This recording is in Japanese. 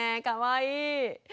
かわいい。